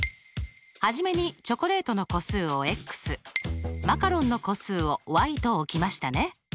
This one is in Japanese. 初めにチョコレートの個数をマカロンの個数をと置きましたね。